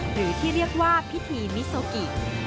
หรือที่เรียกว่าพิธีมิโซกิ